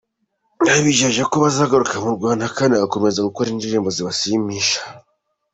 Babijeje ko bazagaruka mu Rwanda kandi bagakomeza gukora indirimbo zibashimisha.